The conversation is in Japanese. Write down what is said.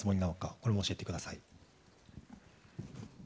これも教えてください。